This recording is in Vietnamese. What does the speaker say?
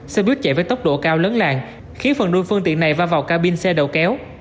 xe bus chạy với tốc độ cao lớn làng khiến phần đuôi phương tiện này va vào ca binh xe đầu kéo